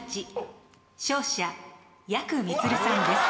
勝者やくみつるさんです。